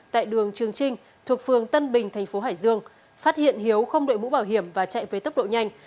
tại đường trường trinh thuộc phường tân bình thành phố hải dương phát hiện hiếu không đội mũ bảo hiểm và chạy với tốc độ nhanh